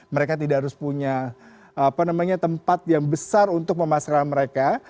mereka tidak harus punya tempat yang besar untuk memasarkan mereka